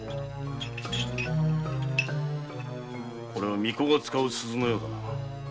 これは巫女が使う鈴のようだな。